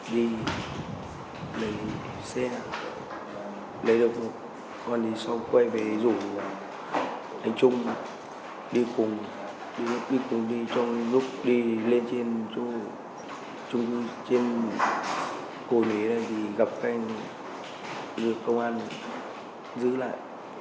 đi lấy xe lấy đồng độc còn sau quay về rủ anh trung đi cùng đi cùng đi cho lúc đi lên trên trung tư trên cổi mế này thì gặp anh rồi công an giữ lại